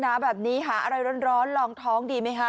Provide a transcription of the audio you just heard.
หนาวแบบนี้หาอะไรร้อนลองท้องดีไหมคะ